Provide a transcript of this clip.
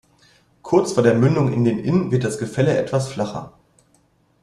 Kurz vor der Mündung in den Inn wird das Gefälle etwas flacher.